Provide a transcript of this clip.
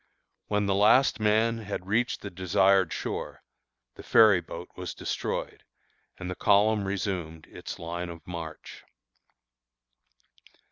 When the last man had reached the desired shore, the ferry boat was destroyed, and the column resumed its line of march.